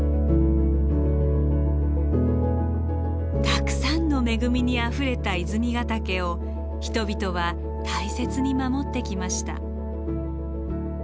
たくさんの恵みにあふれた泉ヶ岳を人々は大切に守ってきました。